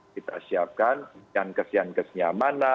kita siapkan yang kesian kesiannya mana